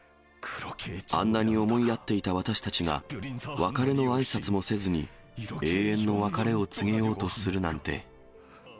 あんなに思い合っていた私たちが、別れのあいさつもせずに永遠の別れを告げようとするなんて。